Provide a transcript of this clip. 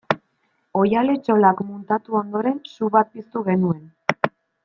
Oihal-etxolak muntatu ondoren su bat piztu genuen.